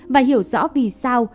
và hiểu rõ vì sao